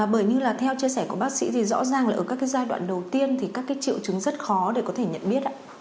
bởi như là theo chia sẻ của bác sĩ thì rõ ràng là ở các cái giai đoạn đầu tiên thì các cái triệu chứng rất khó để có thể nhận biết ạ